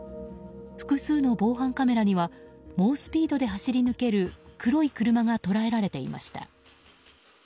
複数の防犯カメラには猛スピードで走り抜ける黒い車が捉えられていました。